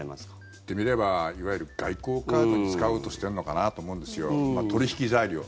言ってみればいわゆる外交カードに使おうとしてるのかなと思うんですよ、取引材料。